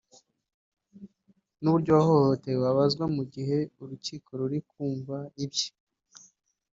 n’uburyo uwahohotewe abazwa mu gihe Urukiko ruri kumva ibye